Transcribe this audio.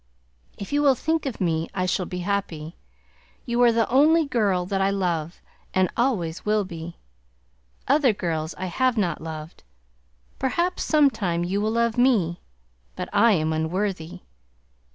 If you will think of me I shall be happy. You are the only girl that I love and always will be. Other girls I have not loved. Perhaps sometime you will love me, but I am unworthy.